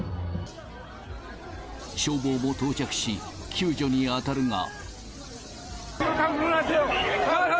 消防も到着し、救助に当たるが。